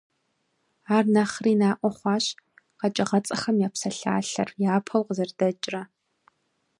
Ар нэхъри наӏуэ хъуащ «Къэкӏыгъэцӏэхэм я псалъалъэр» япэу къызэрыдэкӏрэ.